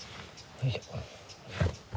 よいしょ。